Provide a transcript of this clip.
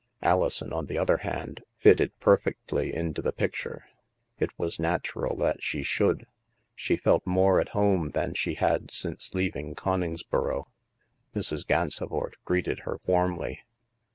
Alison, on the other hand, fitted perfectly into the picture. It was natural that she should. She felt more at home than she had felt since leaving Coningsboro. Mrs. Gansevoort greeted her warmly.